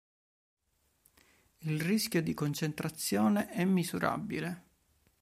Il rischio di concentrazione è misurabile.